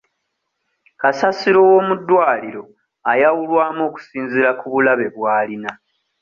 Kasasiro w'omuddwaliro ayawulwamu okusinziira ku bulabe bw'alina.